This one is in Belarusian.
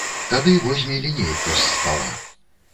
Тады возьме лінейку з стала.